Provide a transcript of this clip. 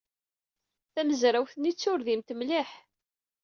Tamezrawt-nni d turmidt mliḥ.